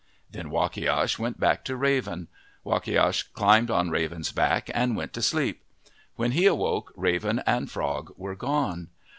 Then Wakiash went back to Raven. Wakiash climbed on Raven's back and went to sleep. When he awoke, Raven and Frog were gone.